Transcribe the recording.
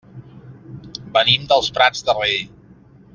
Venim dels Prats de Rei.